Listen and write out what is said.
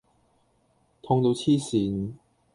痛到痴線